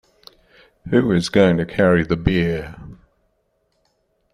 Who is going to carry the beer?